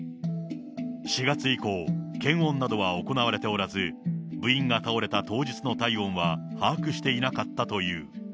４月以降、検温などは行われておらず、部員が倒れた当日の体温は把握していなかったという。